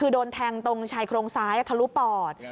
คือโดนแทงตรงชายโครงซ้ายทะลุปอด